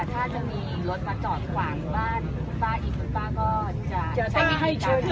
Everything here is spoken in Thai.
ถ้าจะมีรถมาจอดขวางบ้านคุณป้าอีกคุณป้าก็จะใช้วิธีการ